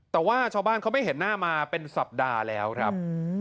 แต่ว่าชาวบ้านเขาไม่เห็นหน้ามาเป็นสัปดาห์แล้วครับ